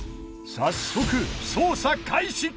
早速捜査開始！